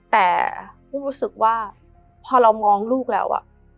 แต่อุ้มรู้สึกว่าพอเรามองลูกแล้ว